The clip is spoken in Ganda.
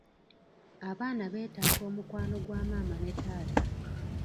Abaana beetaaga omukwano gwamaama ne taata.